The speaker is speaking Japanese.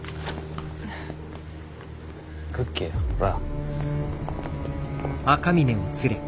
歩けよほら。